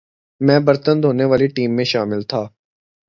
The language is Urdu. میں برتن دھونے والی ٹیم میں شامل تھا